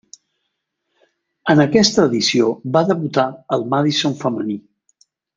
En aquesta edició va debutar el Madison femení.